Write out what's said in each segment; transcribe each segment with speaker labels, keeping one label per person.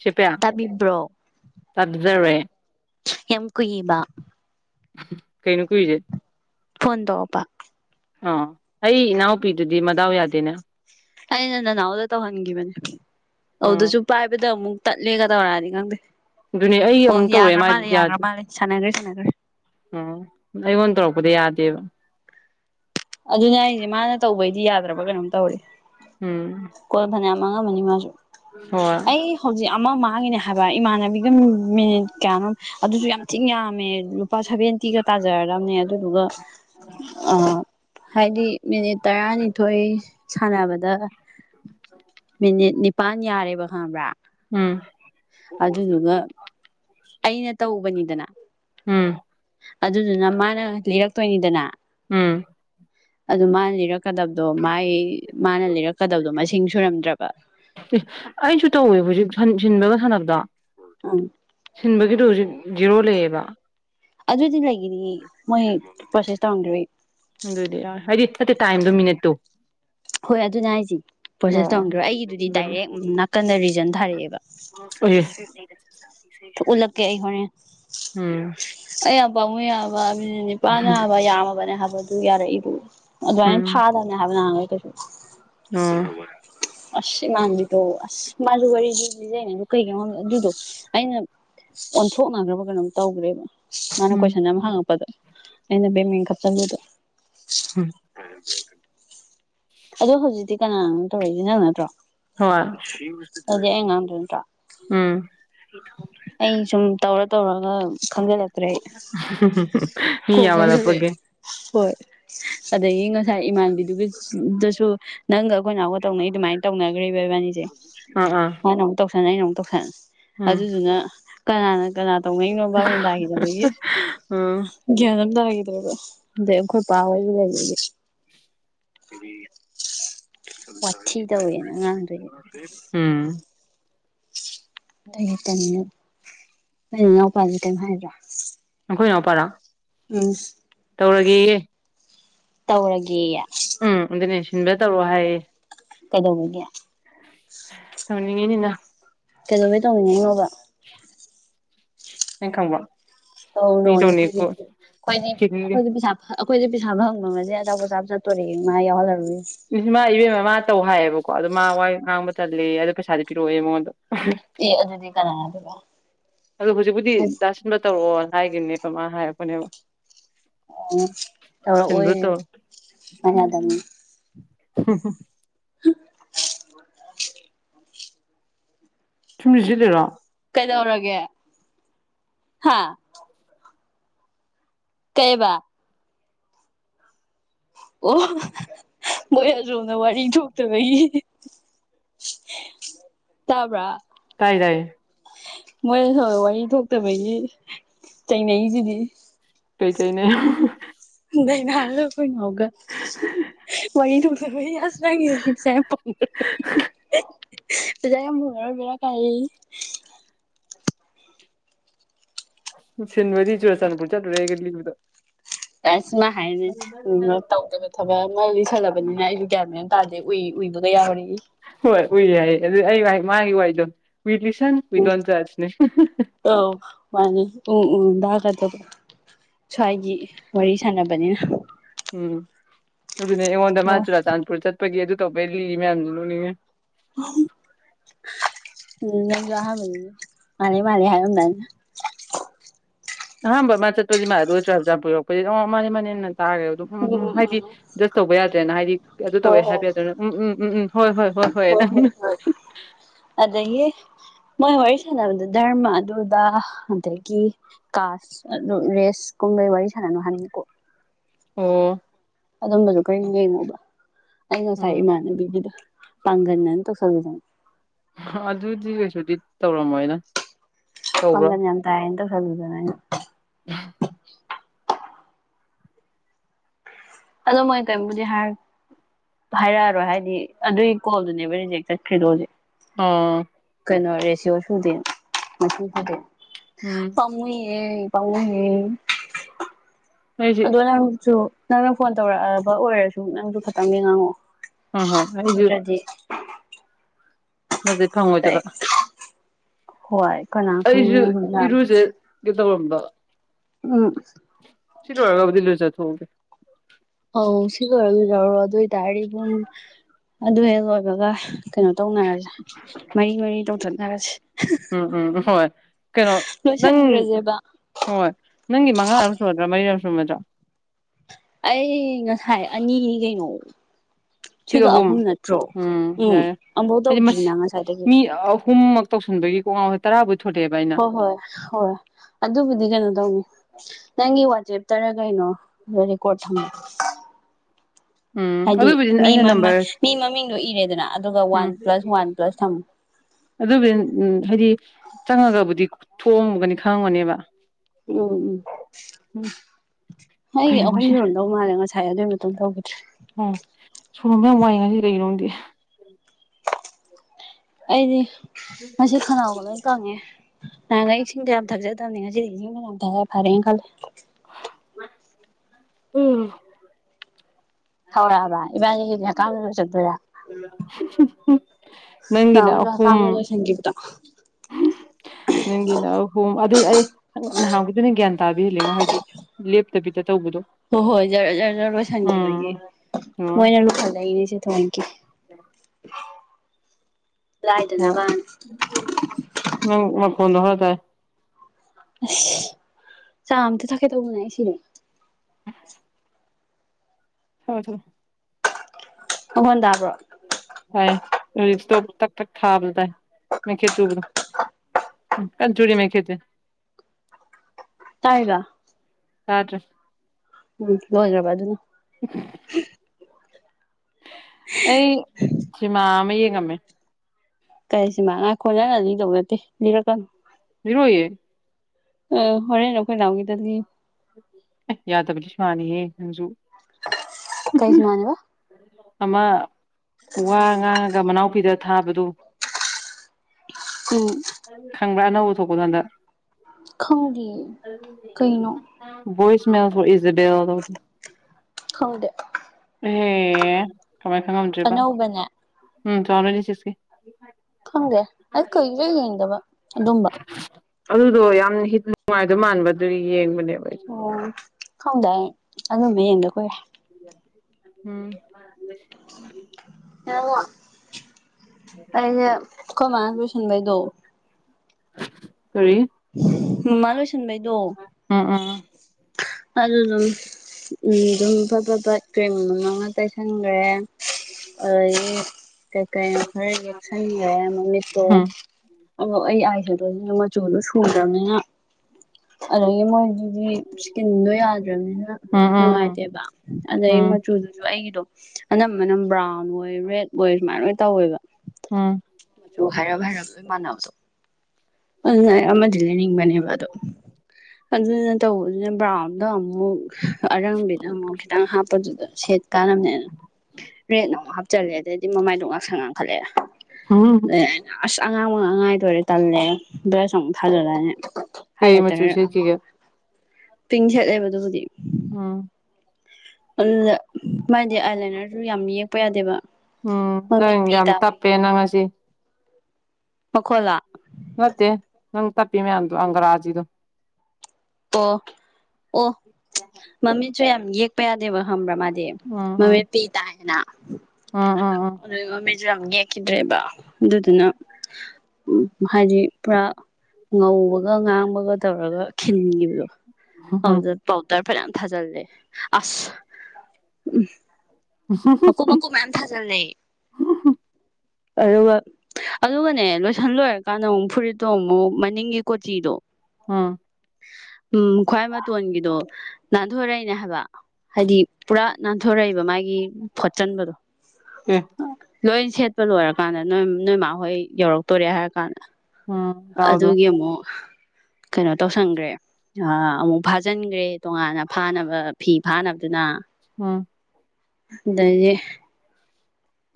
Speaker 1: ꯁꯤꯄꯌꯥ
Speaker 2: ꯇꯥꯕꯤꯕ꯭ꯔꯣ
Speaker 1: ꯇꯞꯖꯔꯋꯦ
Speaker 2: ꯑꯦꯦꯝ ꯀꯨꯤꯕꯥ
Speaker 1: ꯀꯩꯅꯨ ꯀꯣꯏꯖꯦ
Speaker 2: ꯐꯣꯟꯟ ꯇꯧꯕꯕ
Speaker 1: ꯑ ꯑꯩ ꯏꯅꯥꯎꯄꯤꯗꯨꯗꯤ ꯃꯗꯥꯎ ꯌꯥꯗꯦꯅ
Speaker 2: ꯑꯩꯅ ꯅꯅꯥꯎꯗ ꯇꯧꯍꯟꯈꯤꯕꯅꯦ
Speaker 1: ꯎꯝ
Speaker 2: ꯑꯗꯨꯗꯁꯨ ꯄꯥꯏꯕꯗ ꯑꯃꯨꯛ ꯇꯠꯂꯦꯒ ꯇꯧꯔꯛꯑꯗꯤ ꯈꯪꯗꯦ
Speaker 1: ꯑꯗꯨꯅꯦ ꯑꯩ
Speaker 2: ꯑꯣ
Speaker 1: ꯑꯃꯨꯛ ꯇꯧꯔꯦ
Speaker 2: ꯌꯥꯈ꯭ꯔ
Speaker 1: ꯃꯥꯗꯤ
Speaker 2: ꯃꯥꯜꯂꯦ ꯌꯥꯈ꯭ꯔ
Speaker 1: ꯌꯥꯗꯦ
Speaker 2: ꯃꯥꯜꯂꯦ ꯁꯥꯟꯅꯈ꯭ꯔꯦ ꯁꯥꯟꯅꯈ꯭ꯔꯦ
Speaker 1: ꯎꯝ ꯑꯩꯉꯣꯟꯗ ꯇꯧꯔꯛꯄꯗꯤ ꯌꯥꯗꯦꯕ
Speaker 2: ꯑꯗꯨꯅꯦ ꯑꯩꯁꯦ ꯃꯥꯅ ꯇꯧꯕꯩꯗꯤ ꯌꯥꯗ꯭ꯔꯕ ꯀꯩꯅꯣꯝ ꯇꯧꯔꯤꯦ
Speaker 1: ꯎꯝ
Speaker 2: ꯀꯣ ꯐꯅ ꯃꯥꯁꯨ
Speaker 1: ꯍꯣꯏ
Speaker 2: ꯑꯩ ꯍꯧꯖꯤꯛ ꯑꯃ ꯍꯥꯡꯉꯤꯅꯦ ꯍꯥꯏꯕ ꯏꯃꯥꯟꯅꯕꯤꯒ ꯃꯤꯅꯤꯠ ꯀꯌꯥꯅꯣ ꯑꯗꯨꯁꯨ ꯌꯥꯝ ꯊꯤꯤꯡ ꯌꯥꯝꯃꯦ ꯂꯨꯄꯥ ꯁꯦꯚꯦꯟꯇꯤꯒ ꯇꯥꯖꯔꯕꯅꯦ ꯑꯗꯨꯗꯨꯒ ꯑ ꯍꯥꯏꯗꯤ ꯃꯤꯅꯤꯠ ꯇꯔꯥꯅꯤꯊꯣꯏ ꯁꯥꯟꯅꯕꯗ ꯃꯤꯅꯤꯠ ꯅꯤꯄꯥꯥꯟ ꯌꯥꯔꯦꯕ ꯈꯪꯕ꯭ꯔꯥ
Speaker 1: ꯎꯝ
Speaker 2: ꯑꯗꯨꯗꯨꯒ ꯑꯩꯅ ꯇꯧꯕꯅꯤꯗꯅ
Speaker 1: ꯎꯝ
Speaker 2: ꯑꯗꯨꯗꯨꯅ ꯃꯥꯅ ꯂꯤꯔꯛꯇꯣꯏꯅꯤꯗꯅ
Speaker 1: ꯎꯝ
Speaker 2: ꯑꯗꯨ ꯃꯥꯅ ꯂꯤꯔꯛꯀꯗꯕꯗꯣ ꯃꯥꯏ ꯃꯥꯅ ꯂꯤꯔꯛꯀꯗꯕꯗꯣ ꯃꯁꯤꯡ ꯁꯨꯔꯝꯗ꯭ꯔꯕ
Speaker 1: ꯑꯦ ꯑꯩꯁꯨ ꯇꯧꯋꯦ ꯍꯧꯖꯤꯛ ꯁꯤꯟꯕꯒ ꯁꯥꯟꯅꯕꯗꯣ
Speaker 2: ꯑꯪ
Speaker 1: ꯍꯟꯕꯒꯤꯗꯨ ꯍꯧꯖꯤꯛ ꯖꯤꯔꯣ ꯂꯩꯌꯦꯕ
Speaker 2: ꯑꯗꯨꯗꯤ ꯂꯩꯈꯤꯅꯤ ꯃꯣꯏ ꯄꯣꯁꯦꯁ ꯇꯧꯗꯔꯤ
Speaker 1: ꯑꯗꯨꯗꯤ ꯍꯥꯏꯗꯤ ꯏ ꯐꯇ ꯇꯥꯏꯝꯗꯣ ꯃꯤꯅꯠꯇꯨ
Speaker 2: ꯍꯣꯏ ꯑꯗꯨꯅ ꯍꯥꯏꯁꯦ ꯄ꯭ꯔꯣꯁꯦꯁ
Speaker 1: ꯑꯣ
Speaker 2: ꯇꯧꯝꯗ꯭ꯔꯣ ꯑꯩꯒꯤꯗꯨꯗꯤ
Speaker 1: ꯑꯗꯨꯗꯤ
Speaker 2: ꯗꯥꯏꯔꯦꯛ ꯅꯥꯀꯟꯗ ꯔꯤꯖꯟ ꯊꯥꯔꯛꯑꯦꯕ
Speaker 1: [unintelligible]
Speaker 2: ꯎ ꯂꯒ ꯑꯏ ꯍꯧꯅꯤ
Speaker 1: ꯎꯝ
Speaker 2: ꯑ ꯌꯥꯝ ꯄꯕꯥꯎ ꯃꯤꯅꯤꯠ ꯅꯤꯄꯥꯥꯟꯅꯕ ꯌꯥꯝꯃꯕꯅꯦ ꯍꯥꯏꯕꯗꯨ ꯌꯥꯔꯛꯏꯕꯨ ꯑꯗꯨꯃꯥꯏꯅ ꯐꯥꯗꯕꯅꯦ ꯍꯥꯏꯕꯅ ꯍꯪꯉꯛꯦ
Speaker 1: ꯎꯝ
Speaker 2: ꯑꯁ ꯏꯃꯥꯟꯕꯤ ꯇꯣ ꯑꯁ ꯃꯜꯨ ꯋꯥꯔꯤꯖꯅ ꯀꯩ ꯀꯩꯅꯣꯗ ꯑꯗꯨꯗꯣ ꯑꯩꯅ ꯑꯣꯟꯊꯣꯛꯅꯈ꯭ꯔꯕ ꯀꯩꯅꯣꯝ ꯇꯧꯈ꯭ꯔꯦꯕ ꯃꯥꯅ
Speaker 1: ꯎꯝ
Speaker 2: ꯀꯣꯏꯁꯟ ꯑꯃ ꯍꯪꯉꯛꯄꯗꯣ ꯑꯩꯅ ꯕꯦꯡ ꯕꯦꯡ ꯀꯞꯆꯜꯂꯨꯗꯣ
Speaker 1: [unintelligible]
Speaker 2: ꯑꯗꯣ ꯍꯧꯖꯤꯛꯇꯤ ꯀꯅꯥꯅꯣ ꯇꯧꯔꯛꯏꯁꯤ ꯅꯪ ꯅꯠꯇ꯭ꯔꯣ
Speaker 1: ꯍꯣꯏ
Speaker 2: ꯑꯗꯨꯗꯤ ꯑꯩ ꯉꯥꯡꯗꯣ ꯅꯠꯇ꯭ꯔꯣ
Speaker 1: ꯎꯝ
Speaker 2: ꯑꯩ ꯁꯨꯝ ꯇꯧꯔ ꯇꯧꯔꯒ ꯈꯟꯖꯤꯜꯂꯛꯇ꯭ꯔꯦ
Speaker 1: ꯃꯤ
Speaker 2: ꯀꯣꯛ ꯉꯥꯎꯁꯤꯜꯂꯛꯏ
Speaker 1: ꯌꯥꯝꯃꯜꯂꯛꯄꯒꯤ
Speaker 2: ꯍꯣꯏ ꯑꯗꯒꯤ ꯉꯁꯥꯏ ꯏꯃꯥꯟꯕꯤꯗꯨꯒꯤ ꯑꯗꯨꯁꯨ ꯅꯪꯒ ꯑꯩꯈꯣꯏꯅꯅꯥ ꯑꯃꯒ ꯇꯧꯅꯩ ꯑꯗꯨꯃꯥꯏꯅ ꯇꯧꯅꯈ꯭ꯔꯤꯕ ꯏꯕꯥꯅꯤꯁꯦ
Speaker 1: ꯑꯥ ꯑꯥ
Speaker 2: ꯃꯥꯅ ꯑꯃꯨꯛ ꯇꯧ ꯑꯩꯅ ꯑꯃꯨꯛ ꯇꯧ ꯁꯥꯟ
Speaker 1: ꯎꯝ
Speaker 2: ꯑꯗꯨꯗꯨꯅ ꯀꯅꯥꯅ ꯀꯅꯥ ꯇꯧꯅꯩꯅꯣ ꯕꯥꯛ ꯃꯦꯟ ꯇꯥꯈꯤꯗꯕꯒꯤ
Speaker 1: ꯎꯝ
Speaker 2: ꯒ꯭ꯌꯥꯟ ꯑꯃ ꯇꯥꯈꯤꯗ꯭ꯔꯦꯕ ꯑꯗꯩ ꯑꯩꯈꯣꯏ ꯄꯥ ꯑꯣꯏꯕ ꯂꯩꯕꯒꯤ
Speaker 1: ꯑꯗꯨ
Speaker 2: ꯋꯥꯊꯤ ꯇꯧꯋꯦꯅ ꯑꯉꯥꯡꯗꯨꯒꯤ
Speaker 1: [unintelligible] ꯎꯝ
Speaker 2: ꯂꯩꯇ ꯅ ꯏꯅꯥꯎꯄꯥꯗꯤ ꯀꯩꯅꯝ ꯍꯥꯏꯕ꯭ꯔꯥ
Speaker 1: ꯈꯣꯏ ꯏꯅꯥꯎ ꯄꯔꯣ
Speaker 2: ꯎꯝ
Speaker 1: ꯇꯧꯔꯒꯦꯌꯦ
Speaker 2: ꯇꯧꯔꯒꯦꯌꯦ
Speaker 1: ꯎꯝ ꯑꯗꯨꯅꯦ ꯁꯤꯟꯕ ꯇꯧꯔꯣ ꯍꯥꯏꯌꯦ
Speaker 2: ꯀꯩꯗꯧꯕꯒꯤ
Speaker 1: ꯌꯦꯉꯅꯤꯅ
Speaker 2: ꯀꯩꯗꯧꯕꯩ ꯇꯧꯅꯤꯡꯉꯛꯏꯅꯣꯕ
Speaker 1: ꯑꯩ ꯀꯪꯕꯔꯣ
Speaker 2: ꯇꯧꯔꯨꯅꯣꯌꯣ ꯑꯩꯈꯣꯏꯗꯤ
Speaker 1: ꯁꯤꯟꯒꯦ
Speaker 2: ꯑꯩꯈꯣꯏꯗꯤ ꯄꯩꯁꯥ ꯑꯩꯈꯣꯏꯁꯦ ꯄꯩꯁꯥ ꯐꯪꯕ ꯃꯁꯦ ꯑꯆꯥꯄꯣꯠꯆꯥ ꯆꯠꯇꯣꯔꯦꯌꯣ ꯃꯥ ꯌꯥꯎꯍꯜꯂꯔꯨ
Speaker 1: ꯃꯥ ꯏꯕꯦꯝꯃ ꯃꯥ ꯇꯧ ꯍꯥꯏꯌꯦꯕꯀꯣ ꯑꯗꯣ ꯃꯥ ꯋꯥꯏ ꯉꯥꯡꯕ ꯆꯜꯂꯦ ꯑꯗꯣ ꯄꯩꯁꯥꯗꯤ ꯄꯤꯔꯛꯑꯣꯌꯦ ꯃꯉꯣꯟꯗ
Speaker 2: ꯑꯦ ꯑꯗꯨꯗꯤ ꯀꯅꯥꯅ ꯌꯥꯗꯣꯏꯕ
Speaker 1: ꯑꯗꯨ ꯍꯧꯖꯤꯛꯄꯨꯗꯤ
Speaker 2: ꯑꯩꯈꯣꯏ
Speaker 1: ꯇꯥꯁꯤꯟꯕ ꯇꯧꯔꯛꯑꯣ ꯍꯥꯏꯒꯅꯤ ꯄꯥ ꯃꯥ ꯍꯥꯏꯔꯛꯄꯅꯦꯕ
Speaker 2: ꯎ
Speaker 1: ꯁꯤꯟꯕ
Speaker 2: ꯇꯧꯔꯛꯑꯣꯏ
Speaker 1: ꯇꯧꯔꯣ
Speaker 2: ꯃꯌꯥꯗꯅꯤꯅ
Speaker 1: [unintelligible] ꯁꯨꯝꯁꯤꯠ ꯁꯤꯠꯂꯤꯔꯣ
Speaker 2: ꯀꯩꯗꯧꯔꯒꯦ ꯍꯥ ꯀꯩꯕ ꯑꯣ ꯃꯣꯏ ꯑꯁꯣꯝꯅ ꯋꯥꯔꯤ ꯊꯣꯛꯇꯕꯒꯤ ꯇꯥꯕ꯭ꯔ
Speaker 1: ꯇꯥꯏ ꯇꯥꯏ
Speaker 2: ꯃꯣꯏ ꯁꯣꯝ ꯋꯥꯔꯤ ꯊꯣꯛꯇꯕꯒꯤ ꯆꯩꯅꯩꯁꯤꯗꯤ
Speaker 1: ꯀꯩ ꯆꯥꯏꯅꯦ
Speaker 2: ꯂꯩꯅꯥꯒ ꯀꯧꯅꯣ ꯋꯥꯔꯤ ꯊꯣꯛ ꯇꯕꯩ ꯑꯁ [unintelligible] ꯄꯩꯁꯥ ꯌꯥꯝ ꯐꯪꯉꯥꯔꯣꯏ ꯕꯦꯔ ꯀꯥꯏ ꯍꯥꯏꯌꯦ
Speaker 1: ꯁꯤꯟꯕ ꯆꯨꯔꯥꯆꯥꯟꯄꯨꯔ ꯆꯠꯂ ꯔꯦꯒꯕꯗ
Speaker 2: ꯑꯁꯃꯥ ꯍꯥꯏꯅꯦ ꯇꯧꯗꯕ ꯊꯕꯛ ꯑꯃ ꯂꯤꯁꯜꯂꯕꯅꯤꯅ ꯑꯩꯁꯨ ꯒꯌꯟ ꯃꯦꯟ ꯑꯝ ꯇꯥꯗꯦ ꯎꯏ ꯎꯏꯕꯒ ꯌꯥꯎꯔꯤ
Speaker 1: ꯍꯣꯏ ꯎꯏ ꯍꯥꯏꯌꯦ ꯑꯗꯨ ꯑꯩꯍ ꯃꯥꯒꯤ ꯋꯥꯗꯣ
Speaker 2: ꯎꯝ
Speaker 1: [unintelligible]
Speaker 2: ꯗꯥꯥꯒꯗꯕ ꯁ꯭ꯋꯥꯏꯒꯤ ꯋꯥꯔꯤ ꯁꯥꯟꯅꯕꯅꯤꯅ
Speaker 1: ꯎꯝ ꯑꯗꯨꯅꯦ ꯑꯩꯉꯣꯟꯗ
Speaker 2: ꯑꯣ
Speaker 1: ꯃꯥ ꯆꯨꯔꯥꯆꯥꯟꯄꯨꯔ ꯆꯠꯄꯒꯤ ꯑꯗꯨ ꯇꯧꯕꯩ ꯂꯤ ꯃꯌꯥꯝꯗꯨ ꯅꯣꯛꯅꯤꯡꯉꯦ
Speaker 2: ꯎꯝ ꯅꯪꯁꯨ ꯑꯍꯥꯟꯕꯅꯤꯅꯦ ꯃꯥꯂꯤ ꯃꯥꯂꯤ ꯍꯥꯏꯔꯝꯗꯥꯏ
Speaker 1: ꯑꯍꯥꯟꯕ ꯃꯥ ꯆꯠꯄ ꯃꯥꯜꯂꯤ ꯔꯣꯖ ꯆꯨꯔꯥꯆꯥꯟꯄꯨꯔ ꯃꯥꯅꯤ ꯃꯅꯤ꯫ ꯇꯥꯔꯦꯕ ꯑꯗꯨꯝ ꯎꯝ ꯎꯝ ꯍꯥꯏꯗꯤ ꯖꯁ ꯇꯧꯕ ꯌꯥꯗ꯭ꯔꯦꯅ ꯍꯥꯏꯗꯤ ꯑꯗꯨ
Speaker 2: ꯍꯣꯏ
Speaker 1: ꯇꯧꯋꯦ
Speaker 2: ꯍꯣꯏ
Speaker 1: ꯍꯥꯏꯕ ꯑꯗꯨꯕꯅꯤꯅ ꯎꯝ ꯎꯝ ꯎꯝ ꯎꯝ ꯍꯣꯏ ꯍꯣꯏ ꯍꯣꯏ ꯍꯣꯏ ꯍꯣꯏ꯫
Speaker 2: ꯑꯗꯒꯤ꯫ ꯃꯣꯏ ꯋꯥꯔꯤ ꯁꯥꯟꯅꯕꯗ ꯗꯙꯔꯃ ꯑꯗꯨꯗ ꯑꯗꯒꯤ ꯀꯥꯁ ꯑꯗꯨ ꯔꯦꯁ꯫ ꯀꯨꯝꯒꯩ ꯋꯥꯔꯤ ꯋꯥꯔꯤ ꯁꯅꯣ ꯍꯥꯏꯝꯅꯤꯀꯣ꯫
Speaker 1: ꯑꯣ꯫
Speaker 2: ꯑꯗꯨꯝꯕꯁꯨ ꯈꯔꯥ ꯌꯦꯡꯉꯣꯕ ꯑꯩ ꯉꯁꯥꯏ
Speaker 1: ꯎꯝ
Speaker 2: ꯏꯃꯥꯟꯅꯕꯤꯅꯤꯗꯨꯗ꯫ ꯄꯥꯡꯒꯟ ꯑꯅꯥ ꯇꯧꯁꯤꯜꯂꯨꯗ꯫
Speaker 1: ꯑꯗꯨꯗꯤ ꯀꯩꯁꯨꯗꯤ ꯇꯧꯔꯝꯃꯣꯏꯗ꯫
Speaker 2: ꯄꯥꯡꯒꯟ ꯌꯥꯝ ꯇꯥꯏꯌꯦꯅ ꯇꯧꯁꯥꯜꯂꯨꯗ ꯑꯩꯅ꯫
Speaker 1: [inaudible]
Speaker 2: ꯑꯗꯣ ꯃꯣꯏ ꯀꯩꯕꯨꯗꯤ ꯍꯥꯏꯔꯛ ꯍꯥꯏꯔꯛꯑꯔꯣꯏ ꯍꯥꯏꯗꯤ ꯑꯗꯨꯒꯤ ꯀꯣꯜꯗꯨꯅꯦꯕ ꯔꯤꯖꯦꯛ ꯆꯠꯈ꯭ꯔꯦꯗꯣ ꯍꯧꯖꯤꯛ꯫
Speaker 1: ꯑꯥ꯫
Speaker 2: ꯀꯩꯅꯣ ꯔꯦꯁꯤꯌꯣ ꯁꯨꯗꯦ ꯃꯁꯤ ꯁꯨꯗꯦꯅ
Speaker 1: ꯎꯝ
Speaker 2: ꯄꯥꯝꯃꯨꯏ ꯌꯦ ꯄꯥꯝꯃꯨꯏꯌꯦ꯫
Speaker 1: ꯑꯩꯁꯦ
Speaker 2: ꯑꯗꯣ ꯅꯪꯁꯨ ꯅꯪꯅ ꯐꯣꯟ ꯇꯧꯔꯛꯑꯕ ꯑꯣꯏꯔꯁꯨ ꯅꯪꯁꯨ ꯈꯇꯪꯗꯤ ꯉꯥꯡꯉꯛꯑꯣ꯫
Speaker 1: ꯍꯣꯏ ꯍꯣꯏ ꯑꯩꯁꯨ
Speaker 2: ꯅꯠꯇꯔ꯭ꯗꯤ꯫
Speaker 1: ꯅꯗꯤ ꯐꯪꯉꯣꯏꯗꯕ꯫
Speaker 2: ꯍꯣꯏ ꯀꯅꯥ ꯈꯪꯅꯤ ꯅꯪꯁꯨ ꯑꯃꯨꯛ ꯌꯥꯔꯛꯇꯔ꯭ꯗꯤ꯫
Speaker 1: ꯇꯣꯔꯃꯕ꯫
Speaker 2: ꯑꯝ꯫
Speaker 1: ꯁꯤ ꯂꯣꯏꯔꯒꯕꯨꯗꯤ ꯂꯨꯖ ꯊꯣꯛꯎꯒꯦ꯫
Speaker 2: ꯑꯧ ꯁꯤ ꯂꯣꯏꯔ ꯂꯨꯖꯧꯔꯨꯔꯣ ꯑꯗꯣꯏꯇꯥꯔꯗꯤ ꯄꯨꯡ ꯑꯗꯨ ꯍꯦꯛ ꯂꯣꯏꯕꯒ꯫ ꯀꯩꯅꯣ ꯇꯧꯅꯔꯁꯦ ꯃꯔꯤ ꯃꯔꯤ ꯇꯧꯊꯠꯅꯔꯁꯦ꯫
Speaker 1: ꯎꯝ ꯎꯝ ꯍꯣꯏ ꯀꯩꯅꯣ ꯅꯪ꯫
Speaker 2: ꯂꯣꯏꯁꯤꯟꯈ꯭ꯔꯁꯦꯕ
Speaker 1: ꯍꯣꯏ ꯅꯪꯒꯤ ꯃꯉꯥꯔꯛ ꯁꯨꯨꯔꯒꯗ꯭ꯔꯥ ꯃꯔꯤꯔꯛ ꯁꯨꯔꯝꯃꯗ꯭ꯔꯥ꯫
Speaker 2: ꯑꯩ ꯉꯁꯥꯏ ꯑꯅꯤ ꯀꯩꯅꯣ꯫
Speaker 1: [inaudible] ꯁꯤꯖꯨ
Speaker 2: ꯁꯤꯒ
Speaker 1: ꯑꯍꯨꯝ
Speaker 2: ꯅꯠꯇ꯭ꯔꯣ
Speaker 1: ꯎꯝ ꯌꯥꯔꯦ ꯌꯥꯔꯦ
Speaker 2: ꯑꯃꯨꯐꯥꯎ
Speaker 1: ꯍꯥꯏꯗꯤ ꯃꯁ
Speaker 2: ꯇꯧꯗ꯭ꯔꯤꯅ ꯉꯁꯥꯏꯗꯒꯤ
Speaker 1: ꯃꯤ ꯑꯍꯨꯝ ꯃꯛ ꯇꯧꯁꯤꯟꯕꯒꯤ ꯀꯣꯛ ꯉꯧꯔꯦ ꯇꯔꯥꯕꯨ
Speaker 2: ꯍꯣꯏ ꯍꯣꯏ ꯍꯣꯏ ꯑꯗꯨꯕꯨꯗꯤ ꯀꯩꯅꯣ ꯇꯧꯅꯤ꯫ ꯅꯪꯒꯤ ꯋꯥꯆꯦꯞꯇꯔ ꯀꯩꯅꯣ ꯔꯦꯀꯣꯔꯠ ꯊꯝꯃꯨ꯫
Speaker 1: ꯎꯝ꯫
Speaker 2: ꯍꯥꯏꯗꯤ
Speaker 1: ꯑꯗꯨꯕꯨꯗꯤ
Speaker 2: ꯃꯤ
Speaker 1: ꯑꯩꯅ ꯅꯝꯕꯔ
Speaker 2: ꯃꯃꯤꯡꯗꯣ ꯏꯔꯦꯗꯅ ꯑꯗꯨꯒ ꯋꯥꯟ
Speaker 1: ꯎꯝ
Speaker 2: ꯄ꯭ꯂꯁ ꯋꯥꯟ ꯄ꯭ꯂꯁ ꯊꯝꯃꯨ꯫
Speaker 1: ꯑꯗꯨꯕꯨꯗꯤ ꯎꯝ ꯍꯥꯏꯗꯤ ꯆꯪꯉꯒꯕꯨꯗꯤ ꯊꯣꯛꯑꯝꯒꯅꯤ ꯈꯪꯉꯝꯒꯅꯦꯕ꯫
Speaker 2: ꯎꯝ ꯎꯝ
Speaker 1: ꯎꯝ
Speaker 2: ꯍꯣꯏ ꯑꯩꯒꯤ
Speaker 1: ꯀꯩꯅꯣ ꯉꯁꯤ
Speaker 2: ꯑꯍꯨꯝꯁꯨꯔꯝꯗꯧ ꯃꯥꯜꯂꯦ ꯉꯁꯥꯏ ꯑꯗꯨꯏ ꯃꯇꯨꯡ ꯇꯧꯈꯤꯗ꯭ꯔꯦ꯫
Speaker 1: ꯎꯝ ꯁꯣꯔ ꯍꯣꯟꯕ ꯃꯌꯥꯝ ꯋꯥꯏꯉꯁꯤꯁꯦ ꯀꯩꯒꯤꯅꯣ ꯈꯪꯗꯦ꯫
Speaker 2: ꯑꯩꯗꯤ ꯉꯁꯤ ꯈꯅꯥꯎꯒ ꯂꯣꯏ ꯀꯪꯉꯦ ꯅꯍꯥꯟꯒꯩ ꯏꯁꯤꯡꯒ ꯌꯥꯝ ꯊꯥꯛꯆꯗꯕꯅꯤ ꯉꯁꯤꯗꯤ꯫ ꯏꯁꯤꯡ ꯐꯥꯅꯌꯥꯝ ꯊꯛꯑꯦ ꯐꯔꯦꯅ ꯈꯥꯜꯂꯦ꯫
Speaker 1: ꯎꯝ꯫
Speaker 2: ꯍꯧꯔꯛꯑꯕ ꯏꯕꯅꯤꯒꯤꯗꯤ ꯍꯥꯀꯝ ꯑꯗꯨꯝ ꯆꯟꯗꯣꯏꯔ꯫
Speaker 1: ꯅꯪꯒꯤꯗ
Speaker 2: ꯅꯍꯥꯟꯃꯨꯛꯁꯨ
Speaker 1: ꯑꯍꯨꯝ꯫
Speaker 2: ꯍꯀꯥꯝꯗ ꯂꯣꯏꯁꯤꯟꯈꯤꯕꯗꯣ
Speaker 1: ꯅꯪꯒꯤꯅ ꯑꯍꯨꯝ꯫ ꯑꯗꯩ ꯑꯩ ꯅꯍꯥꯟꯃꯣꯛꯀꯤꯗꯨꯅ ꯒ꯭ꯌꯥꯟ ꯇꯥꯕꯤꯍꯜꯂꯤꯉꯣ ꯍꯥꯏꯗꯤ ꯂꯦꯞꯇꯕꯤꯗ꯫ ꯇꯧꯕꯗꯣ
Speaker 2: ꯍꯣꯏ ꯍꯣꯏ ꯖꯔ ꯖꯔ ꯖꯔ ꯂꯣꯏꯁꯟꯈꯤꯕꯒꯤ
Speaker 1: ꯎꯝ
Speaker 2: ꯃꯣꯏꯅ ꯂꯣꯏꯁꯤꯜꯂꯛꯏꯅꯦꯁꯦ ꯊꯑꯣꯏꯀꯤ꯫
Speaker 1: [inaudible] ꯍꯣꯏ
Speaker 2: ꯂꯥꯏꯗꯅꯕꯅ
Speaker 1: ꯅꯪ ꯃꯈꯣꯟꯗꯣ ꯈꯔ ꯇꯥꯏ꯫
Speaker 2: ꯑꯁ ꯆꯥ ꯑꯝꯇ ꯊꯛꯀꯦ ꯇꯧꯕꯅꯦ ꯁꯤꯅꯦ
Speaker 1: ꯎ ꯍꯣꯏ ꯍꯣꯏ
Speaker 2: ꯍꯣꯟꯗ
Speaker 1: ꯇ ꯊ ꯊꯛ ꯊꯥꯕ ꯃ ꯈ ꯆꯨꯕꯗ ꯎ ꯀ ꯆꯨꯔꯤ ꯃ ꯈꯦꯗ
Speaker 2: ꯇꯥꯏꯒ
Speaker 1: ꯁꯥꯔ
Speaker 2: ꯎꯝ ꯂꯣꯏꯗ꯭ꯔꯔꯕ ꯑꯗꯨꯅ
Speaker 1: [inaudible] ꯑꯩ ꯁꯤꯃꯥ ꯑꯃ ꯌꯦꯡꯉꯝꯃꯦ
Speaker 2: ꯀꯔꯤꯁꯤꯃ ꯉꯥꯏ ꯈꯣꯟꯅꯒ ꯂꯤꯗꯧ ꯅꯠꯇꯦ ꯂꯤꯔꯛꯀꯅꯨ
Speaker 1: ꯦ
Speaker 2: ꯑ ꯍꯣꯔꯦꯟ ꯅꯈꯣꯏ ꯂꯥꯎꯒꯤꯗꯗꯤ
Speaker 1: ꯌꯥꯗꯕꯒꯤ ꯁꯃꯅꯤꯍꯦ ꯅꯪꯁꯨꯨ
Speaker 2: ꯀꯩ ꯃꯥꯅꯦꯕ
Speaker 1: ꯑꯃ ꯋꯥ ꯉꯥꯡꯉꯒ ꯃꯅꯥꯎꯄꯤꯗ ꯊꯥꯕꯗꯨ
Speaker 2: ꯎꯝ
Speaker 1: ꯅ ꯊꯣꯛ ꯏꯖꯗ
Speaker 2: ꯈꯪꯗꯤꯌꯦ ꯀꯩꯅꯣ ꯈꯪꯗꯦ
Speaker 1: ꯍ ꯀꯃꯥꯏꯅ ꯈꯪꯉꯝꯗ꯭ꯣꯏꯦꯕ
Speaker 2: ꯑꯅꯧꯕꯅꯦ
Speaker 1: ꯎꯝ ꯆꯥꯎꯥꯗꯣꯏꯅꯦ ꯁꯤꯁꯀꯤ
Speaker 2: ꯈꯪꯒꯦ ꯑꯩ ꯀꯨꯏꯗꯦ ꯌꯦꯡꯗꯕ ꯑꯗꯨꯝꯕ
Speaker 1: ꯑꯗꯨꯗꯣ ꯌꯥꯝ ꯍꯤ ꯅꯨꯡꯉꯥꯏꯗ ꯃꯥꯟꯕ ꯑꯗꯨꯗꯤ ꯌꯦꯡꯕꯅꯦ
Speaker 2: ꯑꯣ ꯈꯪꯗꯥꯏ ꯑꯗꯨꯝꯕ ꯌꯦꯡꯗ ꯀꯨꯏꯔꯦ
Speaker 1: ꯎꯝ
Speaker 2: ꯑꯩꯦ ꯀꯃ ꯁꯟꯚꯏꯗꯣ
Speaker 1: ꯀꯔꯤ
Speaker 2: ꯃꯃꯥ ꯂꯣꯏꯁꯟꯕꯩꯗꯣ
Speaker 1: ꯎꯝ ꯎꯝ
Speaker 2: ꯑꯗꯨ ꯑꯗꯨꯝ ꯎꯝ ꯑꯗꯨꯝ ꯐ ꯐꯕ ꯀ꯭ꯔꯤꯝ ꯃꯥꯡ ꯑꯃ ꯇꯥꯏ ꯈꯪꯈ꯭ꯔꯦ ꯑꯩ ꯀꯩꯀꯩꯅ ꯈꯔ ꯌꯦꯛꯁꯟꯈ꯭ꯔꯦ ꯃꯃꯤꯠꯇꯣ
Speaker 1: ꯎꯝ
Speaker 2: ꯑ ꯑꯩ ꯑꯁꯨ ꯅ ꯃꯆꯨꯗꯨꯣ ꯁꯨꯗ꯭ꯔꯕꯅꯤꯅ ꯑꯗꯨꯗꯒꯤ ꯃꯣꯏ ꯏꯁꯀꯤꯟꯗꯣ ꯌꯥꯗ꯭ꯔꯕꯅꯤꯅ
Speaker 1: ꯎꯝ ꯎꯝ ꯎꯝ
Speaker 2: ꯅꯨꯡꯉꯥꯏꯇꯦꯕ ꯑꯗꯩ
Speaker 1: ꯎꯝ
Speaker 2: ꯃꯆꯨꯗꯨꯁꯨ ꯑꯩꯒꯤꯗꯣ ꯑꯅꯝꯕ ꯑꯅꯝ ꯕ꯭ꯔꯥꯎꯟ ꯑꯣꯏ ꯔꯦꯗ ꯑꯣꯏ ꯁꯨꯃꯥꯏꯅ ꯂꯣꯏꯅ ꯇꯧꯋꯦꯕ
Speaker 1: ꯎꯝ
Speaker 2: ꯃ ꯍꯥꯏꯔꯞ ꯍꯥꯏꯔ ꯂꯣꯏ ꯃꯥꯟꯅꯕꯗꯣ ꯑ ꯑꯃꯗ ꯂꯩꯦ ꯅꯤꯡ ꯃꯅꯦꯕ ꯑꯗꯨ ꯑꯗꯨꯅ ꯇꯧꯕꯗꯨꯅ ꯕ꯭ꯔꯥꯎꯟꯗ ꯑꯃꯨꯛ ꯑꯔꯪꯕꯤꯗ ꯑꯃꯨꯛ ꯈꯤꯇꯪ ꯍꯥꯞꯄꯗꯨꯗ ꯁ ꯀꯥꯟꯅꯕꯅꯦꯅ ꯔꯦꯠꯅ ꯑꯃꯨꯛ ꯍꯥꯞꯆꯜꯂꯦ ꯑꯗꯩꯗꯤ ꯃꯃꯥꯏꯗꯣ ꯉꯥꯛꯁꯪ ꯉꯥꯡꯈꯠꯂꯛꯦ
Speaker 1: ꯎꯝ
Speaker 2: ꯑ ꯑꯁ ꯑꯉꯥꯡ ꯃꯉꯥꯏꯗ ꯑꯣꯏꯔꯦ ꯇꯜꯂꯦ ꯕ꯭ꯔꯦꯁ ꯑꯃꯨꯛ ꯊꯥꯖꯜꯂꯅꯦ
Speaker 1: ꯀꯔꯤ ꯃꯆꯨꯁꯦꯈꯤꯒ
Speaker 2: ꯄꯤꯡ ꯁꯠꯂꯦꯕ ꯑꯗꯨꯕꯨꯗꯤ
Speaker 1: ꯎꯝ
Speaker 2: ꯑꯗꯨꯗ ꯃꯥꯗꯤ ꯑꯥꯏꯂꯦꯅꯔꯁꯨ ꯌꯥꯝ ꯌꯦꯛꯄ ꯌꯥꯗꯦꯕ
Speaker 1: ꯎꯝ ꯅꯣꯏ
Speaker 2: ꯃꯃꯤꯠ ꯄꯤ
Speaker 1: ꯌꯥꯝ ꯇꯞꯄꯦ ꯅꯪ ꯉꯁꯤ
Speaker 2: ꯑꯣꯈꯣꯂꯥ
Speaker 1: ꯃꯠꯇꯦ ꯅꯪ ꯇꯄꯤꯃꯦꯗꯨꯣ ꯍꯪ ꯔꯥꯗꯨ
Speaker 2: ꯑꯣ ꯑꯣ ꯃꯃꯤꯁꯨ ꯌꯥꯝ ꯌꯦꯛꯄ ꯌꯥꯗꯦꯕ ꯍꯪꯕ꯭ꯔ ꯃꯥꯗꯤ ꯃꯃꯤꯄꯤꯤ ꯇ ꯍꯥꯏꯅ
Speaker 1: ꯑꯝ ꯑꯝ ꯑꯝ
Speaker 2: ꯌꯥꯝ ꯌꯦꯛꯈꯤꯗ꯭ꯔꯦꯕ ꯑꯗꯨꯗꯨꯅ ꯎ ꯍꯥꯏꯗꯤ ꯄꯨꯔꯥ ꯉꯧꯕꯒ ꯉꯥꯡꯕꯒ ꯇꯧꯔꯒ ꯈꯤꯟꯈꯤꯕꯗꯣ
Speaker 1: ꯎꯝ ꯎꯝ
Speaker 2: ꯑꯗꯨ ꯄꯥꯎꯇꯔ ꯐ ꯑ ꯊꯥꯖꯜꯦ ꯑꯁ ꯎ ꯃꯀꯨꯞ ꯃꯀꯨꯞ ꯃꯌꯥꯝ ꯊꯥꯖꯤꯜꯂ ꯑꯗꯨꯒ ꯑꯗꯨꯒꯅꯦ ꯂꯣꯏꯁꯟ ꯂꯣꯏꯔꯀꯥꯟꯗ ꯑꯃꯨꯛ ꯐꯨꯔꯤꯠꯇꯣ ꯑꯃꯨꯛ ꯃꯅꯤꯡꯒꯤ ꯀꯣꯇꯤꯗꯣ
Speaker 1: ꯑꯥ
Speaker 2: ꯎꯝ ꯈ꯭ꯋꯥꯏ ꯃꯇꯣꯟꯒꯤꯗꯣ ꯅꯥꯟꯊꯣꯔꯛꯏꯅꯦ ꯍꯥꯏꯕ ꯍꯥꯏꯗꯤ ꯄꯨꯔꯥ ꯅꯥꯟꯊꯣꯔꯛ ꯂꯩꯕ ꯃꯥꯒꯤ ꯐꯣꯠꯆꯟꯕꯗꯣ
Speaker 1: ꯀ
Speaker 2: ꯂꯣꯏ ꯁꯦꯠꯄ ꯂꯣꯏꯔꯀꯥꯟꯗ ꯅꯣꯏ ꯅꯣꯏꯃꯍꯣꯏ ꯌꯧꯔꯛꯇꯣꯔꯦ ꯍꯥꯏꯔ ꯀꯥꯟꯗ
Speaker 1: ꯎꯝ ꯗꯥꯎꯗꯣ
Speaker 2: ꯑꯗꯨꯒꯤ ꯑꯃꯨꯛ
Speaker 1: [unintelligible]
Speaker 2: ꯀꯩꯅꯣ ꯇꯧꯁꯟꯈ꯭ꯔꯦ ꯑꯃꯨꯛ ꯐꯥꯖꯤꯟꯈ꯭ꯔꯦ ꯇꯣꯉꯥꯟꯅ ꯐꯥꯅꯕ ꯐꯤ ꯐꯥꯅꯕꯗꯨꯅ
Speaker 1: ꯎꯝ
Speaker 2: ꯑꯦ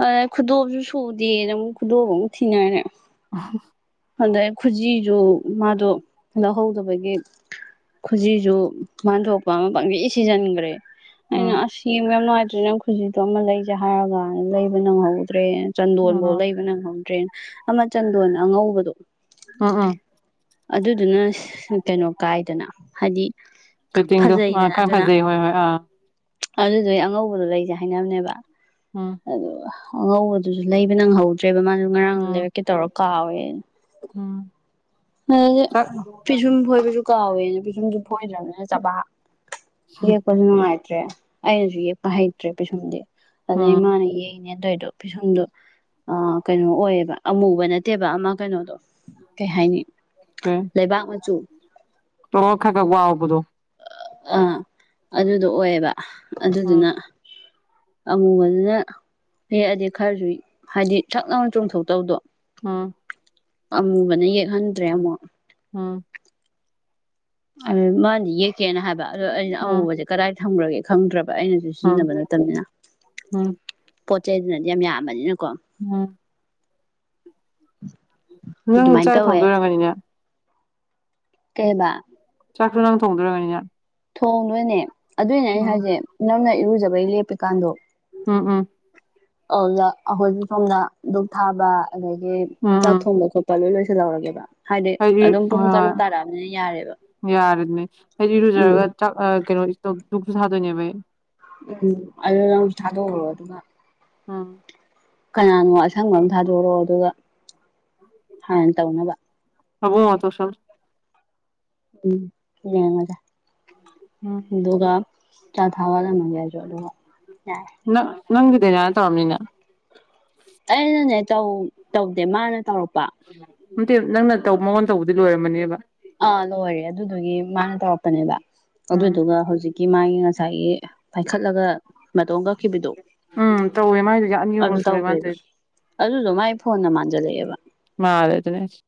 Speaker 2: ꯑꯗ ꯈꯨꯗꯣꯝꯁꯨ ꯁꯨꯗꯦꯅ ꯑꯃꯨꯛ ꯈꯨꯗꯣꯝ ꯑꯃꯨꯛ ꯊꯤꯅꯔꯦ
Speaker 1: ꯑ
Speaker 2: ꯑꯗꯩ ꯈꯨꯖꯤꯗꯨ ꯃꯥꯗꯣ ꯂꯧꯍꯧꯗꯕꯒꯤ ꯈꯨꯖꯤꯁꯨ ꯃꯟ ꯊꯣꯛꯣꯛꯄ ꯑꯃ ꯄꯪꯗꯤ ꯁꯤꯖꯤꯟꯈ꯭ꯔꯦ ꯑꯩꯅ
Speaker 1: ꯎꯝ
Speaker 2: ꯑꯁ ꯌꯦꯡꯕ ꯌꯥꯝ ꯅꯨꯡꯉꯥꯏꯇ꯭ꯔꯦ ꯅꯪ ꯈꯨꯖꯤꯗꯣ ꯑꯃ ꯂꯩꯁꯦ ꯍꯥꯏꯔꯒ ꯂꯩꯕ ꯅꯪꯍꯧꯕ ꯗ꯭ꯔꯦ ꯆꯟꯗꯣꯟꯐꯧ
Speaker 1: ꯎꯝ
Speaker 2: ꯂꯩꯕ ꯅꯪꯍꯧꯗ꯭ꯔꯦ ꯑꯃ ꯆꯟꯗꯣꯟ ꯑꯉꯧꯕꯗꯣ
Speaker 1: ꯎꯝ ꯎꯝ
Speaker 2: ꯑꯗꯨꯗꯨꯅ ꯀꯩꯅꯣ ꯀꯥꯏꯗꯅ ꯍꯥꯏꯗꯤ
Speaker 1: ꯁꯨꯇꯤꯡꯗꯣ ꯑ ꯈꯔ ꯐꯖꯩ ꯍꯣꯏ ꯍꯣꯏ ꯑꯥ
Speaker 2: ꯑꯗꯨꯗ ꯑꯩ ꯑꯉꯧꯕꯗꯣ ꯂꯩꯁꯦ ꯍꯥꯏꯅꯕꯅꯦꯕ
Speaker 1: ꯎꯝ
Speaker 2: ꯑꯗꯨꯒ ꯑꯉꯧꯕꯗꯨꯁꯨ ꯂꯩꯕ ꯅꯪꯍꯧꯗ꯭ꯔꯦꯕ ꯃꯥꯁꯨ ꯉꯔꯥꯡ
Speaker 1: ꯎꯝ
Speaker 2: ꯂꯩꯔꯛꯀꯦ ꯇꯧꯔ ꯀꯥꯎꯋꯦ
Speaker 1: ꯎꯝ
Speaker 2: ꯑꯗꯨ
Speaker 1: ꯆꯠ
Speaker 2: ꯄꯤꯁꯨꯝ ꯐꯣꯏꯕꯁꯨ ꯀꯥꯎꯋꯦ ꯑ ꯄꯤꯁꯨꯝꯁꯨ ꯐꯣꯏꯗ꯭ꯔꯕꯅꯤꯅ ꯆꯕꯥ ꯌꯦꯛꯄꯁꯨ ꯅꯨꯡꯉꯥꯏꯇ꯭ꯔꯦ ꯑꯩꯅꯁꯨ ꯌꯦꯛꯄ ꯍꯩꯇ꯭ꯔꯦ ꯄꯩꯤꯁꯨꯝꯗꯤ ꯑꯗꯨꯗꯩ ꯏ
Speaker 1: ꯎꯝ
Speaker 2: ꯃꯥꯥꯅ ꯌꯦꯛ ꯅꯦ ꯑꯗꯨꯏꯗꯣ ꯐꯤꯁꯨꯡꯗꯨꯣ ꯑ ꯀꯩꯅꯣ ꯑꯣꯏꯌꯦꯕ ꯑꯃꯨꯕ ꯅꯠꯇꯦꯕ ꯑꯃ ꯀꯩꯅꯣꯗꯣ ꯀꯩ ꯍꯥꯏꯅꯤ ꯂꯩꯕꯥꯛ ꯃꯆꯨ
Speaker 1: ꯑꯣ ꯈ ꯀꯗꯨꯣ
Speaker 2: ꯑꯥ ꯑꯗꯨꯗꯣ ꯑꯣꯏꯌꯦꯕ
Speaker 1: ꯎꯝ
Speaker 2: ꯑꯗꯨꯗꯨꯅ ꯑꯃꯨꯕ ꯑꯗꯨꯅ ꯍꯦꯛꯑꯗꯤ ꯈꯔꯁꯨ ꯍꯥꯏꯗꯤ ꯁꯥꯛ ꯂꯥꯎꯅ ꯆꯣꯡꯊꯣꯛꯇꯕꯗꯣ
Speaker 1: ꯑꯝ
Speaker 2: ꯑꯃꯨꯕꯅ ꯌꯦꯛꯍꯟꯗ꯭ꯔꯦ ꯑꯃꯨꯛ
Speaker 1: ꯎꯝ
Speaker 2: ꯑꯗꯨ ꯃꯥꯅꯗꯤ ꯌꯦꯛꯀꯦꯅ ꯍꯥꯏꯕ ꯑꯗꯣ ꯑꯩꯅ
Speaker 1: ꯎꯝ
Speaker 2: ꯑꯉꯕꯁꯦ ꯀꯗꯥꯏ ꯊꯝꯈ꯭ꯔꯒꯦ ꯈꯪꯗ꯭ꯔꯕ ꯑꯩꯅꯁꯨ
Speaker 1: ꯎꯝ
Speaker 2: ꯁꯤꯖꯤꯟꯅꯕ ꯅꯠꯇꯕꯅꯤꯅ
Speaker 1: ꯎꯝ
Speaker 2: ꯄꯣꯠ ꯆꯩꯗꯨꯅꯗꯤ ꯌꯥꯝ ꯌꯥꯝꯕꯅꯤꯅ
Speaker 1: ꯎꯝ ꯅꯪ
Speaker 2: ꯑꯗꯨꯃꯥꯏꯅ
Speaker 1: ꯆꯥꯛ
Speaker 2: ꯇꯧꯋꯦ
Speaker 1: ꯊꯣꯡꯗꯣꯏꯔꯝꯃꯅꯤꯅꯦ
Speaker 2: ꯀꯩꯕ
Speaker 1: ꯆꯥꯛꯁꯨ ꯅꯪ ꯊꯣꯡꯗꯣꯏꯔꯒꯅꯤ ꯅ
Speaker 2: ꯊꯣꯡꯗꯣꯏꯅꯦ ꯑꯗꯨꯏꯅꯦ ꯑꯩ ꯍꯥꯏꯁꯦ ꯅꯪꯅ ꯏꯔꯨꯖꯕꯩ ꯂꯦꯞꯄꯤꯀꯥꯟꯗꯣ
Speaker 1: ꯎꯝ ꯎꯝ
Speaker 2: ꯑꯣꯖ ꯑꯩꯈꯣꯏꯁꯨ ꯁꯣꯝꯗ ꯙꯛ ꯊꯥꯕ ꯑꯗꯒꯤ
Speaker 1: ꯎꯝ
Speaker 2: ꯆꯥꯛ
Speaker 1: ꯎꯝ
Speaker 2: ꯊꯣꯡꯕ ꯈꯣꯠꯄ ꯂꯣꯏ ꯂ ꯂꯧꯔꯒꯦꯕ ꯍꯥꯏꯗꯤ ꯑꯗꯨꯝ ꯄꯨꯡ ꯇꯔꯨꯛ ꯇꯥꯔꯛꯑꯅꯤꯅ ꯌꯥ
Speaker 1: ꯌꯥꯔ ꯑꯗꯨꯅꯤ
Speaker 2: ꯎꯝ
Speaker 1: ꯏꯔꯖ ꯀꯩꯅꯣꯗꯨꯁꯨ ꯁꯥꯗꯅꯤꯕ
Speaker 2: ꯎꯝ ꯑ ꯅꯁꯨ ꯊꯥꯗꯣꯛꯎꯔꯣ ꯑꯗꯨꯒ
Speaker 1: ꯑꯥ
Speaker 2: ꯀꯅꯥꯅꯣ ꯑꯁꯪꯕ ꯑꯃꯝ ꯊꯥꯗꯣꯔꯑꯣ ꯑꯗꯨꯒ ꯍꯥꯟꯅ ꯇꯧꯅꯕ
Speaker 1: ꯑꯕ ꯇꯣ ꯁ
Speaker 2: ꯎꯝ ꯌꯥꯖ
Speaker 1: ꯎꯝ
Speaker 2: ꯑꯗꯨꯒꯒ ꯆ ꯊꯋꯥꯗ ꯑꯗꯨ ꯌꯥꯏ
Speaker 1: ꯅꯪꯗꯦ ꯅ ꯇꯧꯔꯣꯝꯅꯤꯅ
Speaker 2: ꯑꯩꯅꯅꯦꯧ ꯇꯧꯗꯦ ꯃꯥꯅ ꯇꯧꯔꯛꯄ
Speaker 1: ꯝꯇꯦ ꯅꯪꯅ ꯇꯧꯕ ꯃꯉꯣꯟ ꯇꯧꯕꯗꯤ ꯂꯣꯏꯔꯝꯃꯅꯦꯕ
Speaker 2: ꯑꯥ ꯂꯣꯏꯔꯦ ꯑꯗꯨꯗꯨꯒꯤ ꯃꯥꯅ ꯇꯧꯔꯛꯄꯅꯦꯕ
Speaker 1: ꯎꯝ
Speaker 2: ꯑꯗꯨꯗꯨꯒ ꯍꯧꯖꯤꯛ ꯀ ꯃꯥꯒꯤ ꯉꯁꯥꯏꯒꯤ ꯄꯥꯏꯈꯠꯂꯒ ꯃꯇꯣꯝ ꯀꯛꯈꯤꯕꯗꯣ
Speaker 1: ꯎꯝ ꯇꯧꯋꯦ ꯃꯥꯏꯗꯣ
Speaker 2: ꯑꯗꯨ
Speaker 1: ꯑꯅꯤꯔꯛ ꯁꯨꯔꯦ ꯃꯥꯅ
Speaker 2: ꯇꯧꯈ꯭ꯔꯦꯕ
Speaker 1: ꯇꯧꯔꯤꯗꯣ
Speaker 2: ꯑꯗꯨꯗꯣ ꯃꯥꯏ ꯐꯣꯟꯅ ꯃꯥꯟꯖꯜꯂꯛꯑꯦꯕ
Speaker 1: ꯃꯥꯗꯦ ꯑꯗꯨꯅꯦ